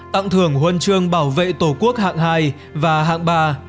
tặng thưởng huân chương bảo vệ tổ quốc hạng hai và hạng ba